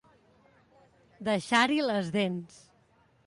Deixar-hi les dents.